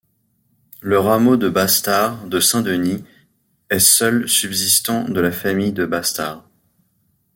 Le rameau de Bastard de Saint-Denis est seul subsistant de la famille de Bastard.